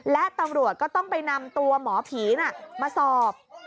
และตำรวจก็ต้องไปนำตัวหมอผีมาสอบ